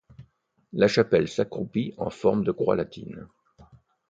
La chapelle s'accroupit en forme de croix latine.